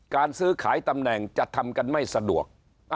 การซื้อขายตำแหน่งจะทำกันไม่สะดวก